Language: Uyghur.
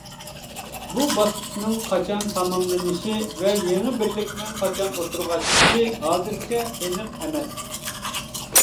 بۇ باسقۇچنىڭ قاچان تاماملىنىشى ۋە يېڭى بىرلىكنىڭ قاچان ئوتتۇرىغا چىقىشى ھازىرچە ئېنىق ئەمەس .